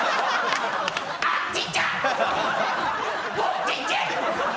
あっちっちゃ！